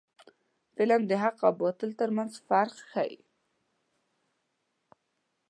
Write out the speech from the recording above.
فلم د حق او باطل ترمنځ فرق ښيي